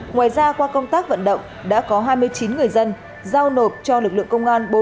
ngoài ra qua công tác vận động đã có hai mươi chín người dân giao nộp cho lực lượng công an